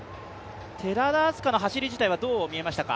寺田明日香の走り自体はどう見えましたか？